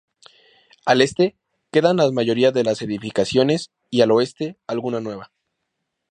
Al este quedan la mayoría de las edificaciones y al oeste alguna nueva.